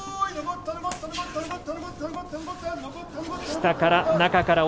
下から、中から。